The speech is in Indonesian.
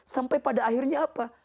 sampai pada akhirnya apa